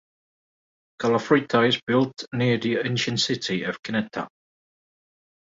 Kalavryta is built near the ancient city of Cynaetha.